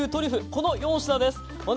この４品です。